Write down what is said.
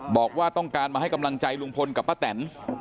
บอกว่าต้องการมาให้กำลังใจลุงพลกับป้าแตน